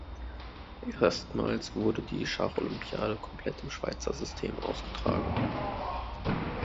Erstmals wurde die Schacholympiade komplett im Schweizer System ausgetragen.